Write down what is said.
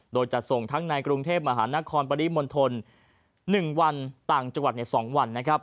โดยจัดส่งทั้งในกรุงเทพมหานครปริมณฑล๑วันต่างจังหวัดใน๒วัน